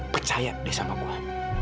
percaya deh sama gue